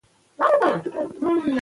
لوستې میندې د ماشوم سالمه وده غواړي.